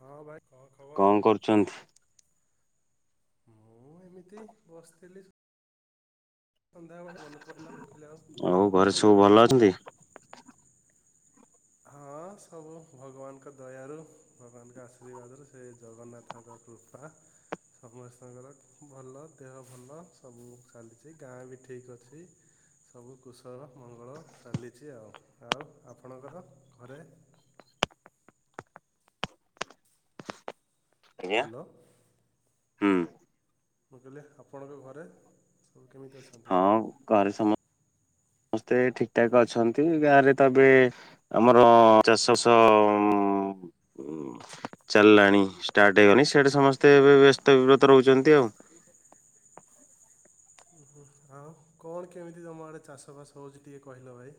ହଁ ଭାଇ କଣ ଖବର କଣ କରୁଚନ୍ତି। ମୁଁ ଏମିତି ବସିଥିଲି ସନ୍ଧ୍ୟା ବେଳେ ମନେ ପଡିଲା ମୁଁ କହିଲି ଆଉ ଦେହ ଭଲ ଅଛି ନା। ଲ ଅଛନ୍ତି। ହଁ ସବୁ ଭଗବାନଙ୍କ ଦୟାରୁ ଭଗବାନଙ୍କ ଆଶୀର୍ବାଦରୁ ସେ ଜଗ ନାଥ ଙ୍କ କୃପା ସମସ୍ତଙ୍କର ଭଲ ଦେହ ଭଲ ସବୁ ଚାଲିଚି ଗାଁ ବି ଠିକ୍ ଅଛି। ସବୁ କୁଶଳ ମଙ୍ଗଳ ଚାଲିଚି ଆଉ ଆଉ ଆପଣଙ୍କର ଘରେ ଆଜ୍ଞା ହ୍ୟାଲୋ ହୁଁ। ମୁଁ କହିଲି ଆପଣଙ୍କ ଘରେ। ସବୁ କେମିତି ଅଛନ୍ତି ହଁ ଘରେ ସମ ସ୍ତେ ଠିକ ଠାକ ଅଛନ୍ତି ଗାଁରେ ତ ଏବେ ଆମର ଚାଷ ସ ଉଁ ଉଁ ଚାଲଲାଣି ଷ୍ଟାର୍ଟ ହେଇଗଣି ସେଉଠି ସମସ୍ତେ ଏବେ ବେ ବ୍ୟସ୍ତ ବିବ୍ରତ ରହୁଛନ୍ତି ଆଉ। ଉ ହୁଁ ଆଉ କଣ କେମିତି ତମ ଆଡେ ଚାଷବାସ ହଉଚି ଟିକେ କହିଲ ଭାଇ।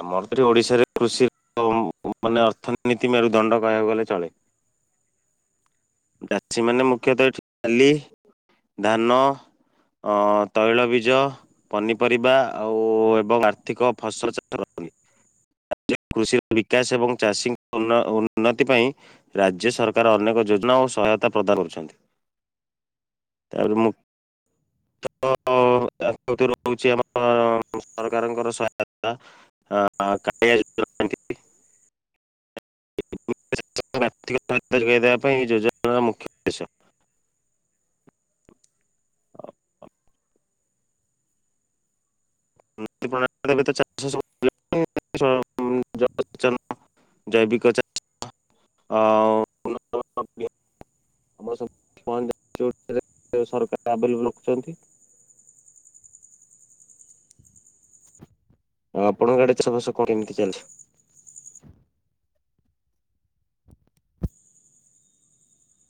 ଆମର ତ ଓଡିଶାରେ କୃଷି [unintelligible] [unintelligible] ମାନେ ଅର୍ଥନୀତି ମେରୁ ଦଣ୍ଡ କହିବାକୁ ଗଲେ ଚଳେ। ଚାଷୀ ମାନେ ମୁଖ୍ୟତଃ ଏଠି ଡାଲି ଧାନ ଅ ତୈଳ ବୀଜ ପନିପରିବା ଆଉ ଏବଂ ଆର୍ଥିକ ଫସଲ ଚା [unintelligible] କୃଷିର ବିକାଶ ଏବଂ ଚାଷୀଙ୍କ ଉନ୍ନ ଉନ୍ନତି ପାଇଁ ରାଜ୍ୟ ସରକାର ଅନେକ ଯୋଜନା ଓ ସହାୟତା ପ୍ରଦାନ କରୁଛନ୍ତି। ତାରେ ମୁଁ [unintelligible] କ [unintelligible] [unintelligible] [unintelligible] [unintelligible] ଅ [unintelligible] [unintelligible] ସରକାର ଆଭଲେବଲ ରଖୁଚନ୍ତି। ଆଉ ଆପଣଙ୍କ ଆଡ଼େ ଚାଷ ବାସ କଣ କେମିତି ଚାଲିଚି।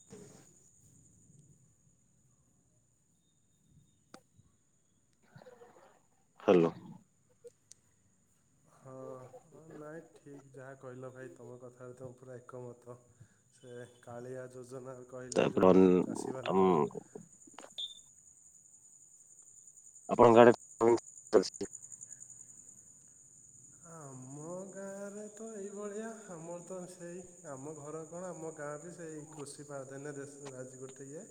[inaudible] ହ୍ୟାଲୋ। ହଁ ନାଇଁ ଠିକ ଯାହା କହିଲ ଭାଇ ତମ କଥା ହେ ତ ପୁରା ଏକମତ ସେ କାଳିଆ ଯୋଜନା କହିଲେ ତାପରେ ଯୋଉ ଅନ୍ ଆମ ଚାଷୀମାନଙ୍କର ଆପଣଙ୍କ ଆଡ଼େ [unintelligible] ଆମ ଗାଁରେ ତ ଏଇଭଳିଆ ଆମର ତ ସେଇ ଆମ ଘର କଣ ଆମ ଗାଁ ବି ସେଇ କୃଷି ପ୍ରାଧାନ୍ୟ ଦେଶ ରାଜ ଗୋଟେ ଇଏ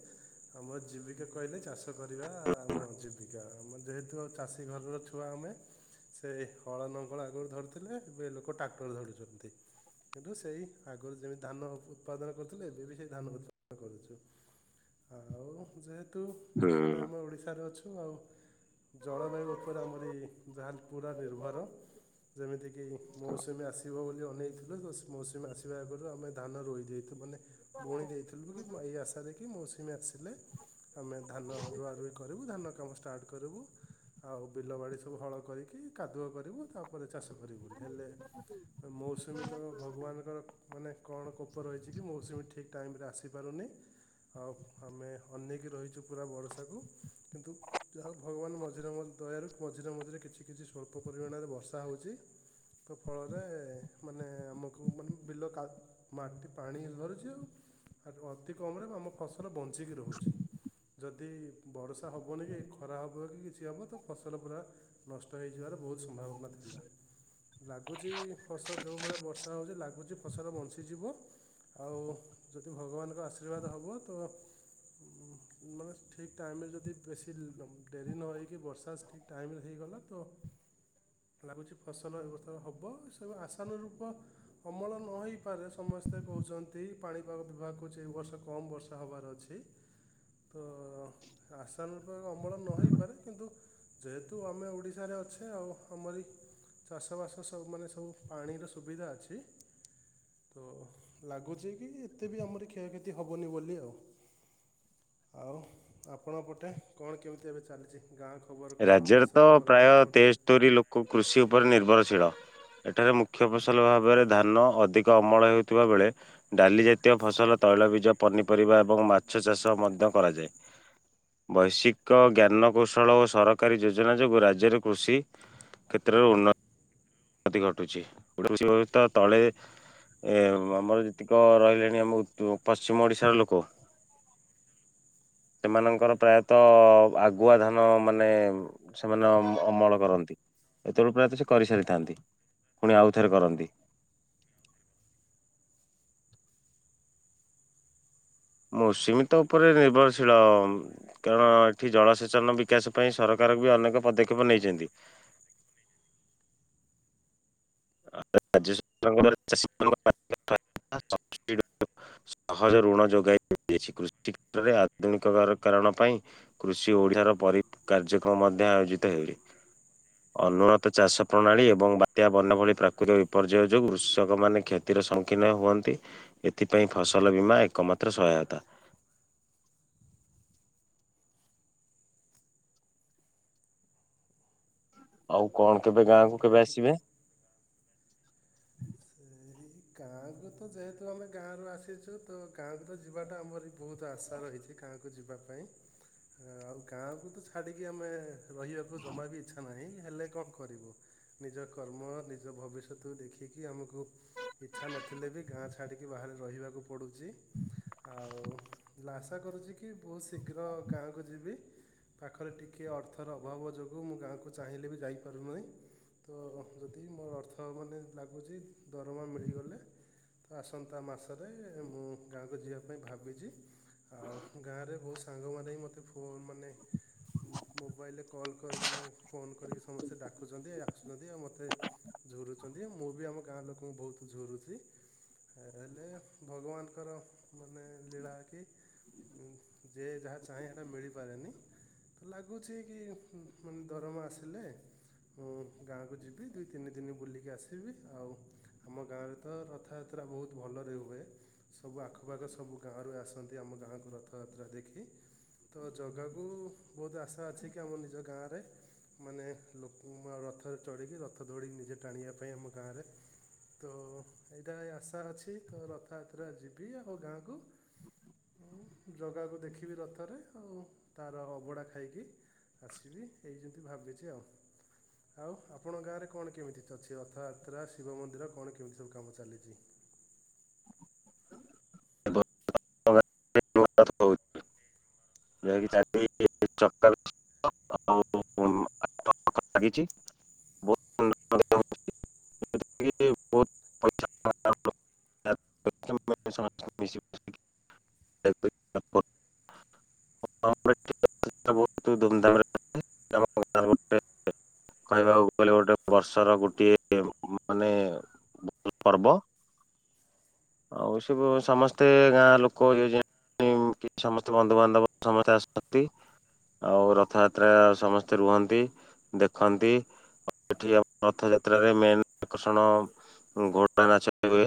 ଆମ ଜୀବିକା କହିଲେ ଚାଷ କରିବା ଆମ ଜୀବା କା ଯେହେତୁ ଆଉ ଚାଷୀ ଘରର ଛୁଆ ଆମେ ସେ ହଳ ନଙ୍ଗଳ ଆଗରୁ ଧରିଥିଲେ ଏ ଲୋକ ଟ୍ରାକ୍ଟର ଧରୁଚନ୍ତି। କିନ୍ତୁ ସେଇ ଆଗରୁ ଯେମିତି ଧାନ ଉତ୍ପାଦନ କରୁଥିଲେ ଏବେ ବି ସେଇ ଧାନ ଉତ୍ଦନ କରୁଚୁ। ଆଉ ଯେହେତୁ ହୁଁ। ମାନେ ଆମେ ଓଡିଶାରେ ଅଛୁ ଆଉ ଜଳବାୟୁ ଉପରେ ଆମରି ଯାହେଲେ ପୁରା ନିର୍ଭର ଯେମିତିକି ହଁ। ମୌସୁମୀ ଆସି ବ ବୋଲି ଅନେଇଥିଲୁ ମୈସୁମି ଆସିବା ଆଗରୁ ଆମେ ଧାନ ରୋଇଦେଇ ଥି ମାନେ ବୁଣିଦେଇଥି ଲୁ କି ମ ଇ ଆଶା ଦେଖି ମୌସୁମି ଆସିଲେ ଆମେ ଧାନ ରୁଆ ରୁଇ କରିବୁ ଧାନ କାମ ଷ୍ଟାର୍ଟ କରିବୁ। ଆଉ ବିଲ ବାଡି ସବୁ ହଳ କରିକି କାଦୁଅ କରିବୁ ତାପରେ ଚାଷ କରିବୁ ହେଲେ ମୌସୁମୀ ତ ଭଗବାନଙ୍କର ମାନେ କଣ କୋପ ରହିଛି କି ମୌସୁମୀ ଠିକ୍ ଟାଇମ ରେ ଆସିପାରୁନି ଆଉ ଆମେ ଅନେଇକି ରହିଛୁ ପୁରା ବର୍ଷା କୁ କିନ୍ତୁ [unintelligible] ଯାହା ଭଗବାନ ମଝିରେ ମଝି ଦୟାରୁ ମଝିରେ ମଝିରେ କିଛି କିଛି ସ୍ୱଳ୍ପ ପରିମାଣରେ ବର୍ଷା ହେଉଛି ତ ଫଳ ରେ ମାନେ ଆମକୁ ମାନେ ବିଲ ମାଟି କା ପାଣି ଧରୁଛି ଅତି କମରେ ଆମ ଫସଲ ବଞ୍ଚିକି ରହୁଛି ଯଦି ବର୍ଷା ହେବନି କି ଖରା ହେବ କି କିଛି ହେବ ତ ଫସଲ ପୁରା ନଷ୍ଟ ହେଇଯିବାର ବହୁତ ସମ୍ଭାବନା ଥିଲା ଲାଗୁଛି ଫସ ଯେଉଁ ଭଳିଆ ବର୍ଷା ହେଉଛି ଲାଗୁଛି ଫସଲ ବଞ୍ଚିଯିବ। ଆଉ ଯଦି ଭଗବାନଙ୍କ ଆଶୀର୍ବାଦ ହବ ତ ଉଁ ମାନେ ଠିକ୍ ଟାଇମରେ ଯଦି ବେଶୀ ଡେରି ନହଇକି ବର୍ଷା ଠିକ୍ ଟାଇମ ରେ ହେଇଗଲା ତ ଲାଗୁଛି ଫସଲ ଏ ବସ୍ତ ହବ ଏ ସବୁ ଆସାନୁ ରୂପ ଅମଳ ନ ହେଇପାରେ ସମସ୍ତେ କହୁଛନ୍ତି ପାଣିପାଗ ବିଭାଗ କଉଚି ଏ ବର୍ଷ କମ ବର୍ଷା ହବାର ଅଛି। ତ ଆସାନୁ ରୂପ ଅମଳ ନ ହେଇପାରେ କିନ୍ତୁ ଯେହେତୁ ଆମେ ଓଡିଶାରେ ଅଛେ ଆଉ ଆମରି ଚାଷବାସ ସ ତ ସବୁ ମାନେ ସବୁ ପାଣିର ସୁବିଧା ଅଛି। ଉଁ ଲାଗୁଚି କି ଏତେ ବି ଆମର କ୍ଷୟକ୍ଷତି ହେବନି ବୋଲି ଆଉ। ଆଉ ଆପଣଙ୍କ ପଟେ କଣ କେମିତି ଏବେ ଚାଲିଚି? ଗାଁ ଖବର କଣ ଦେଶ ଖବର କଣ କୁହନ୍ତୁ। କୁ କୃଷି ଉପରେ ନିର୍ଭରଶୀଳ। ଏଠାରେ ମୁଖ୍ୟ ଫସଲ ଭାବରେ ଧାନ ଅଧିକ ଅମଳ ହେଉଥିବା ବେଳେ ଡାଲି ଜାତୀୟ ଫସଲ, ତୈଳବୀଜ, ପନିପରିବା ଏବଂ ମାଛ ଚାଷ ମଧ୍ୟ କରାଯାଏ। ବୈସିୟିକ ଜ୍ଞାନକୌଶଳ ଓ ସ ସରକାରୀ ଯୋଜନା ଯୋଗୁଁ ରାଜ୍ୟରେ କୃଷି କ୍ଷେତ୍ରରେ ଉନ୍ନ ତି ଘଟୁଛି [unintelligible] ତଳେ ଏ ଆମର ଯେତିକ ରହିଲେଣି ଆମ ଉ ପଶ୍ଚିମ ଓଡ଼ିଶାର ଲୋକ। ଏମାନଙ୍କର ପ୍ରାୟତଃ ଆଗୁଆ ଧାନ ମାନେ ସେମାନେ ଅ ଅମଳ କରନ୍ତି ଏତେଅଳୁ ପ୍ରାୟତଃ ସେ କରିସାରିଥାନ୍ତି ପୁଣି ଆଉଥରେ କରନ୍ତି। ମୌସୁମୀ ତ ଉପରେ ନିର୍ଭରଶୀଳ। କାରଣ ଏଠି ଜଳସେଚନ ବିକାଶ ପାଇଁ ସରକାର ବି ଅନେକ ପଦକ୍ଷେପ ନେଇଛନ୍ତି। ରାଜ୍ୟ ସରକାରଙ୍କ ଚାଷୀଙ୍କ [unintelligible] ସହଜ ଋଣ ଯୋଗାଇ ଦେଇଛି କୃଷି କ୍ଷେତ୍ରରେ ଆଧୁନିକ କାରଣ ପାଇଁ। କୃଷି ଓଡିଶାର ପରି କାର୍ଯ୍ୟକ୍ରମ ମଧ୍ୟ ଆୟୋଜିତ ହେଲେ। ଅନୁନତ ଚାଷ ପ୍ରଣାଳୀ ଏବଂ ବାତ୍ୟା ବନ୍ୟା ଭଳି ପ୍ରାକୃତିକ ବିପର୍ଯ୍ୟୟ ଯୋଗୁଁ କୃଷକମାନେ କ୍ଷତିର ସମ୍ୟୁଖିନ ହୁଅନ୍ତି। ଏଥିପାଇଁ ଫସଲ ବୀମା ଏକମାତ୍ର ସହାୟତା। ଆଉ କଣ କେବେ ହଁ ଗାଁକୁ କେବେ ଭାଇ ଆସିବେ? ସେ ଇ। ଗାଁକୁ ତ ଯେହେତୁ ଆମେ ଗାଁରୁ ଆସିଛୁ ତ ଗାଁକୁ ତ ଯିବାଟା ଆମର ବହୁତ ଆଶା ରହିଛି ଗାଁକୁ କୁ ଯିବା ପାଇଁ। ଆଁ ଆଉ ଗାଁକୁ ତ ଛାଡିକି ଆମେ ରହିବାକୁ ଜମା ବି ଇଚ୍ଛା ନାହିଁ ହେଲେ କଣ କରିବୁ। ନିଜ କର୍ମ ନିଜ ଭବିଷ୍ୟତକୁ ଦେଖିକି ଆମକୁ ଇଚ୍ଛା ନଥିଲେ ବି ଗାଁ ଛାଡ଼ିକି ବାହାରେ ରହିବାକୁ ପଡ଼ୁଛି। ଆଉ ଲା ଆଶା କରୁଛି କି ବହୁତ ଶୀଘ୍ର ଗାଁକୁ ଯିବି। ପାଖରେ ଟିକିଏ ଅର୍ଥର ଅଭାବ ଯୋଗୁଁ ମୁଁ ଗାଁକୁ ଚାହିଁଲେ ବି ଯାଇପାରୁନାହିଁ। ତ ଯଦି ମୋର ଅର୍ଥ ମାନେ ଲାଗୁଛି ଦରମା ମିଳିଗଲେ ଆସନ୍ତା ମାସରେ ମୁଁ ଗାଁକୁ ଯିବା ପାଇଁ ଭାବୁଚି। ଆଉ ଗାଁରେ ବହୁତ ସାଙ୍ଗମାନେ ହିଁ ମତେ ଫୋନ୍ ମାନେ ମୋବାଇଲରେ କଲ୍ କରି ମାନେ ଫୋନ୍ କରିକି ସମସ୍ତେ ଡାକୁଛନ୍ତି ଆସୁଛନ୍ତି ଆଉ ମୋତେ ଝୁରୁଛନ୍ତି ମୁଁ ବି ଆମ ଗାଁ ଲୋକଙ୍କୁ ଝୁରୁଛି ହେଲେ ଭଗବାନଙ୍କର ମାନେ ଲୀଳା କି ଉଁ ଯେ ଯାହା ଚାହେଁ ସେଟା ମିଳିପାରେନି। ତ ଲାଗୁଛି କି ହୁଁ ମାନେ ଦରମା ଆସିଲେ ମୁଁ ଗାଁକୁ ଯିବି ଦୁଇ ତିନି ଦିନି ବୁଲିକି ଆସିବି ଆଉ ଆମ ଗାଁରେ ତ ରଥଯାତ୍ରା ବହୁତ ଭଲରେ ହୁଏ। ସବୁ ଆଖପାଖ ସବୁ ଗାଁରୁ ଆସନ୍ତି ଆମ ଗାଁକୁ ରଥଯାତ୍ରା ଦେଖି। ତ ଜଗାକୁ ବହୁତ ଆଶା ଅଛି କି ଆମ ନିଜ ଗାଁରେ ମାନେ ଲୋକ ରଥରେ ଚଢ଼ିକି ରଥ ଦଉଡ଼ିକି ନିଜେ ଟାଣିବା ପାଇଁ ଆମ ଗାଁରେ ତ ଏଇଟା ଆଶା ଅଛି ତ ରଥଯାତ୍ରା ଯିବି ଆଉ ଗାଁକୁ ହୁଁ ଜଗାକୁ ଦେଖିବି ରଥରେ ଆଉ ତାର ଅବଢା ଖାଇକି ଆସିବି ଏଇ ଯେମିତି ଭାବିଛି ଆଉ ଆଉ ଆପଣଙ୍କ ଗାଁରେ କଣ କେମିତି ଅଛି ରଥଯାତ୍ରା ଶିବ ମନ୍ଦିର କଣ କେମିତି ସବୁ କାମ ଚାଲିଛି? [inaudible] [inaudible] [inaudible] [inaudible] [inaudible] ବହୁତ ଧୁମଧାମରେ ଆମ ଗାଁରେ ଗୋଟେ କହିବାକୁ ଗଲେ ଗୋଟେ ବର୍ଷର ଗୋଟିଏ ମାନେ ଭଲ ପର୍ବ ଆଉ ସବୁ ସମସ୍ତେ ଗାଁ ଲୋକ ଯ କି ସମସ୍ତେ ବନ୍ଧୁବାନ୍ଧବ ସମସ୍ତେ ଆସନ୍ତି। ଆଉ ରଥଯାତ୍ରା ସମସ୍ତେ ରୁହନ୍ତି ଦେଖନ୍ତି ଉ ଏଠି ଆମ ରଥଯାତ୍ରାରେ ମେନ୍ ଆକର୍ଷଣ ଘୋଡ଼ା ନାଚ ହୁଏ।